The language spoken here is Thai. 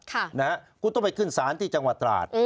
ค่ะนะฮะกูต้องไปขึ้นสารที่จังหวัดตราศน์